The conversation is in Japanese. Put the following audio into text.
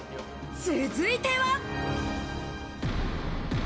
続いては。